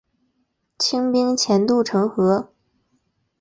清兵潜渡城河。